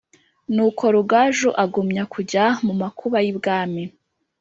nuko rugaju agumya kujya mu makuba y'ibwami,